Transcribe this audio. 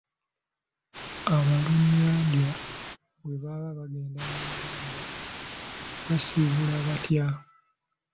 Abalunnyanja bwe baba bagenda mu nnyanja basiibula batya?